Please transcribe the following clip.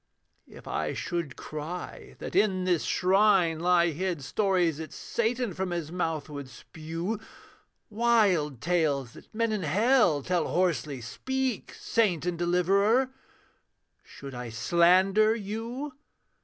'If I should cry that in this shrine lie hid Stories that Satan from his mouth would spew; Wild tales that men in hell tell hoarsely speak! Saint and Deliverer! Should I slander you?'